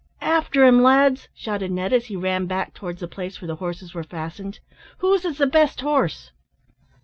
"After him, lads!" shouted Ned, as he ran back towards the place where the horses were fastened. "Whose is the best horse?"